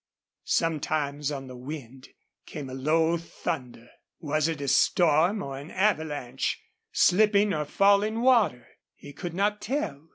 Sometimes on the wind came a low thunder. Was it a storm or an avalanche slipping or falling water? He could not tell.